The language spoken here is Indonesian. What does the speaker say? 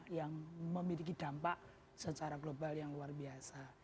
yang memiliki dampak secara global yang luar biasa